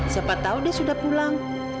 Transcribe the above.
siapa tahu dia sudah pulang